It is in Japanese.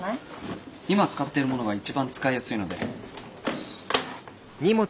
今使ってるものが一番使いやすいので。